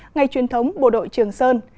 ngày truyền thống bộ đội trường sơn